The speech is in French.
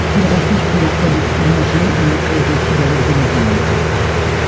Il refuse plusieurs fois de prolonger et le club décide alors de le vendre.